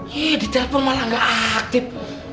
yeee di telepon malah gak aktif